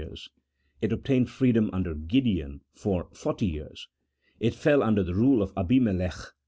7 It obtained freedom under G ideon f or ... 40 It fell under the rule of Abimelech